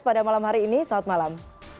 pada malam hari ini selamat malam